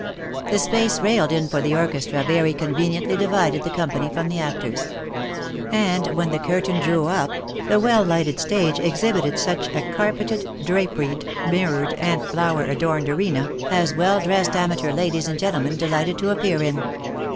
The space railed in for the orchestra very conveniently divided the 102 THE LIFE AND ADVENTURES company from the actors ; and, when the curtain drew up, the well lighted stage exhibited just such a carpeted, draperied, mirrored, and flower adorned arena, as well dressed amateur ladies and gentlemen delighted to appear in.